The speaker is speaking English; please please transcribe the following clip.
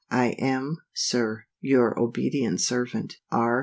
I am, Sir, your obedient servant, R.